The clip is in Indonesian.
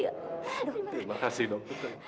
terima kasih dok